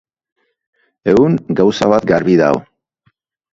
Egun, gauza bat garbi dago.